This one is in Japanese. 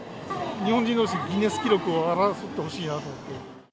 日本人どうしでギネス記録を争ってほしいなと思って。